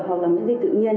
hoặc là miễn dịch tự nhiên